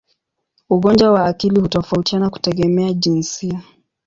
Ugonjwa wa akili hutofautiana kutegemea jinsia.